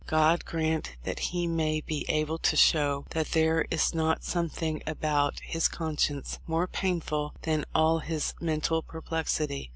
God grant that he may be able to show that there is not something about his conscience more painful than all his mental perplexity."